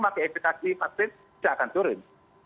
maka infeksi vaksin bisa akan turun